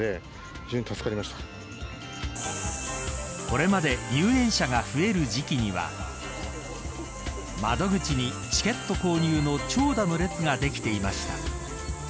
これまで入園者が増える時期には窓口にチケット購入の長蛇の列ができていました。